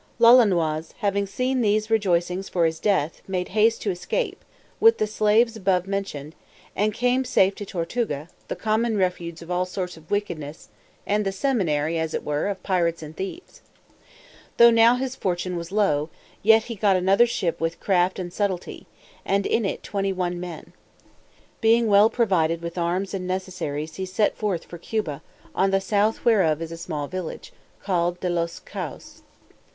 Lolonois, having seen these rejoicings for his death, made haste to escape, with the slaves above mentioned, and came safe to Tortuga, the common refuge of all sorts of wickedness, and the seminary, as it were, of pirates and thieves. Though now his fortune was low, yet he got another ship with craft and subtlety, and in it twenty one men. Being well provided with arms and necessaries, he set forth for Cuba, on the south whereof is a small village, called De los Cayos.